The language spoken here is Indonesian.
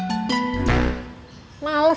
ceminah t selalu ceria